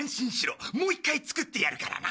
もう１回作ってやるからな。